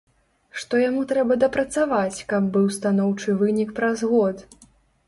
Што яму трэба дапрацаваць, каб быў станоўчы вынік праз год?